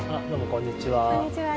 こんにちは。